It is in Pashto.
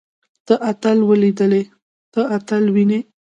تۀ اتل وليدلې. ته اتل وينې؟